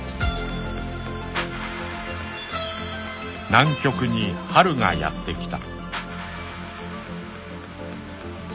［南極に春がやってきた］